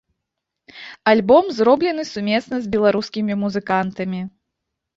Альбом зроблены сумесна з беларускімі музыкантамі.